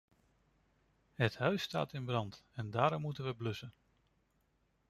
Het huis staat in brand, en daarom moeten we blussen!